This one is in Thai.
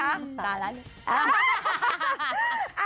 สาระอะไรคะ